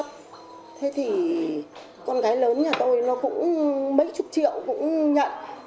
thế thì con gái lớn nhà tôi nó cũng mấy chục triệu cũng nhận